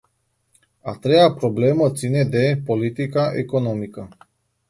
A treia problemă ține de politica economică.